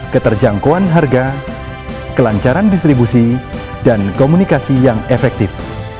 keterjangkauan harga kelancaran distribusi dan komunikasi yang efektif